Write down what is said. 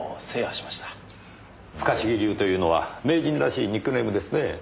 不可思議流というのは名人らしいニックネームですねぇ。